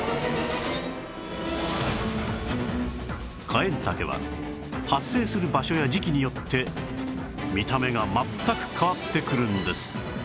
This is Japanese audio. カエンタケは発生する場所や時期によって見た目が全く変わってくるんです